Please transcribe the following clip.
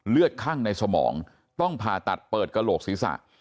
เลือดขั้้างในสมองต้องผ่าตัดเปิดกระโหกศีรษะ